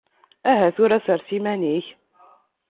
Aha tura sres iman-ik!